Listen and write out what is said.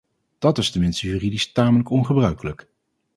Dat is tenminste juridisch tamelijk ongebruikelijk.